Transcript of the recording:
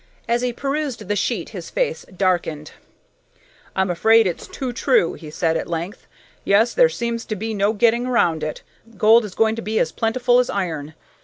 As he perused the sheet his face darkened. "I'm afraid it's too true," he said, at length. "Yes, there seems to be no getting around it. Gold is going to be as plentiful as iron.